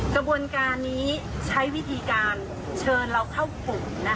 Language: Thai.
กระบวนการนี้ใช้วิธีการเชิญเราเข้ากลุ่ม